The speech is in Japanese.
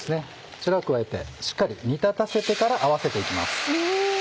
こちらを加えてしっかり煮立たせてから合わせて行きます。